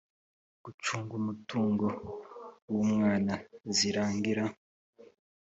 gucunga umutungo w umwana zirangira